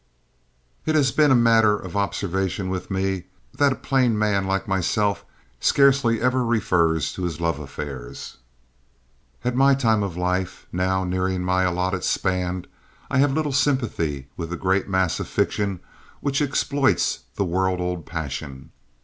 It has been a matter of observation with me that a plain man like myself scarcely ever refers to his love affairs. At my time of life, now nearing my alloted span, I have little sympathy with the great mass of fiction which exploits the world old passion.